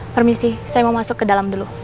permisi saya mau masuk ke dalam dulu